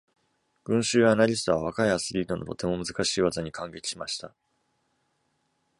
群衆やアナリストは、若いアスリートのとても難しい技に感激しました。